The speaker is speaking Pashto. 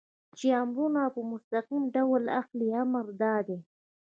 چې امرونه په مستقیم ډول اخلئ، امر دا دی.